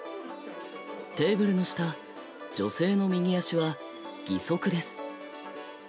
テーブルの下、女性の右足は義足です。